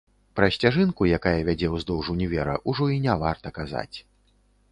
Пра сцяжынку, якая вядзе ўздоўж універа, ужо і не варта казаць.